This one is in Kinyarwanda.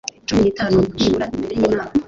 cumi n itanu nibura mbere y inama